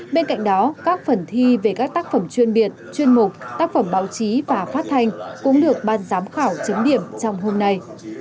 bên cạnh đó các phần thi về các tác phẩm chuyên biệt chuyên mục tác phẩm báo chí và phát thanh cũng được ban giám khảo chính điểm trong hôm nay